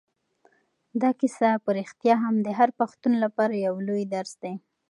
دا کیسه په رښتیا هم د هر پښتون لپاره یو لوی درس دی.